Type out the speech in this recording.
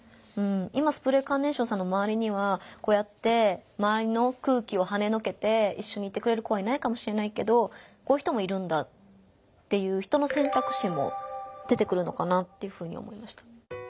今スプレーカーネーションさんのまわりにはこうやってまわりの空気をはねのけていっしょにいてくれる子はいないかもしれないけどこういう人もいるんだっていうのかなっていうふうに思いました。